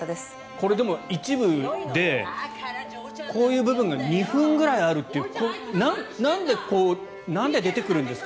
これ、でも一部でこういう部分が２分ぐらいあるというなんで出てくるんですか？